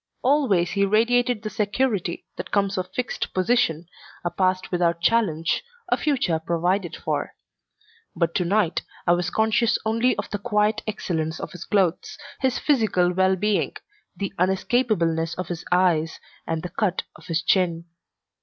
Always he radiated the security that comes of fixed position, a past without challenge, a future provided for; but tonight I was conscious only of the quiet excellence of his clothes, his physical well being, the unescapableness of his eyes, and the cut of his chin.